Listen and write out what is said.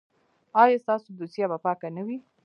ایا ستاسو دوسیه به پاکه نه وي؟